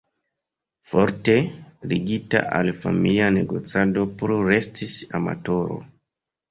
Forte ligita al familia negocado plu restis amatoro.